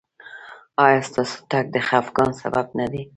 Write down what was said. ایا ستاسو تګ د خفګان سبب نه دی؟